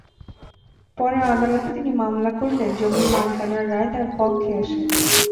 পরে আদালতে তিনি মামলা করলে জমির মালিকানার রায় তাঁর পক্ষে আসে।